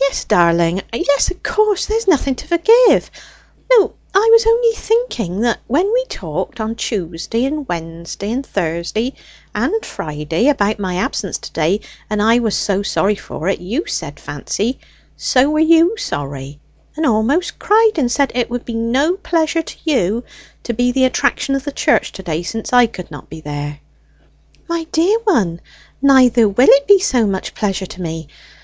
"Yes, darling; yes, of course, there's nothing to forgive. No, I was only thinking that when we talked on Tuesday and Wednesday and Thursday and Friday about my absence to day, and I was so sorry for it, you said, Fancy, so were you sorry, and almost cried, and said it would be no pleasure to you to be the attraction of the church to day, since I could not be there." "My dear one, neither will it be so much pleasure to me